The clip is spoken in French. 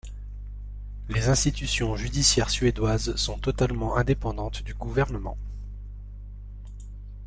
Les institutions judiciaires suédoises sont totalement indépendantes du gouvernement.